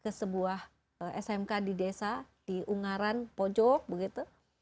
ke sebuah smk di desa di ungaran pojok begitu